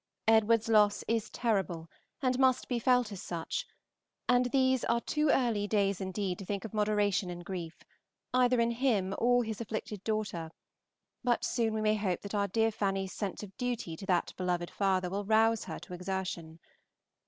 Edward's loss is terrible, and must be felt as such, and these are too early days indeed to think of moderation in grief, either in him or his afflicted daughter, but soon we may hope that our dear Fanny's sense of duty to that beloved father will rouse her to exertion.